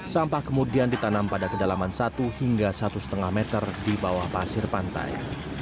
sampah kemudian ditanam pada kedalaman satu hingga satu lima meter di bawah pasir pantai